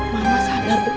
mama sadar itu